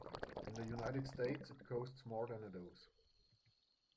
In the United States it costs more than a dose.